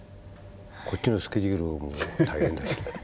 こっちのスケジュールも大変だしね。